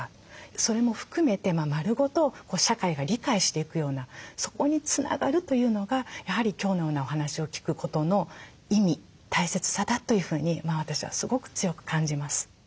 それも含めて丸ごと社会が理解していくようなそこにつながるというのがやはり今日のようなお話を聞くことの意味大切さだというふうに私はすごく強く感じます。